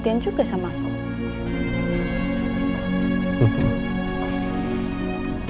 perhatian juga sama aku